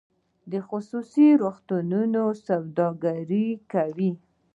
خصوصي روغتونونه سوداګري کوي